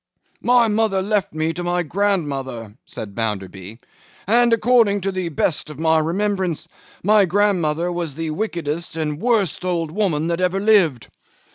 'My mother left me to my grandmother,' said Bounderby; 'and, according to the best of my remembrance, my grandmother was the wickedest and the worst old woman that ever lived.